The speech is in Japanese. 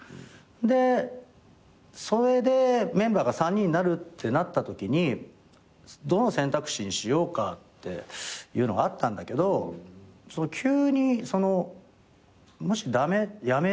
でそれでメンバーが３人になるってなったときにどの選択肢にしようかっていうのがあったんだけど急にその「駄目？」「やめる？」